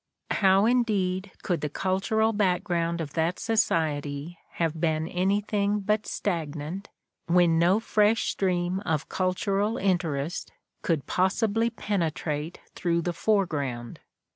How, indeed, could the cultural background of that society have been anything but stagnant when no fresh stream of cultural interest could possibly penetrate through the foreground?